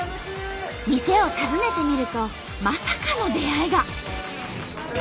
店を訪ねてみるとまさかの出会いが。